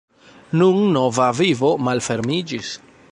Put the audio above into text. Nun nova vivo malfermiĝis.